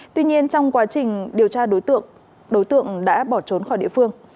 tuy nhiên trong quá trình điều tra đối tượng đối tượng đã bỏ trốn khỏi địa phương